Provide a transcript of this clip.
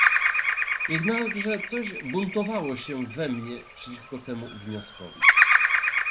"Jednakże coś buntowało się we mnie przeciwko temu wnioskowi."